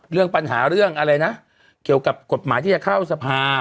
เรื่องปัญหาเรื่องอะไรนะเกี่ยวกับกฎหมายที่จะเข้าสภา